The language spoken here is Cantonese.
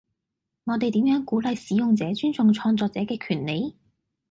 我哋點樣鼓勵使用者尊重創作者嘅權利？